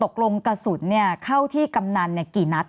กระสุนเข้าที่กำนันกี่นัด